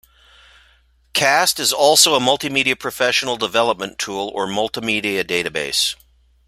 'Cast is also a multimedia professional development tool or multimedia database'